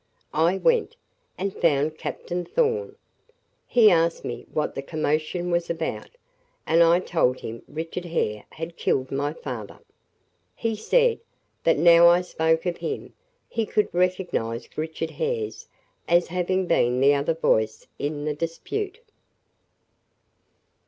I went, and found Captain Thorn. He asked me what the commotion was about, and I told him Richard Hare had killed my father. He said, that now I spoke of him, he could recognize Richard Hare's as having been the other voice in the dispute."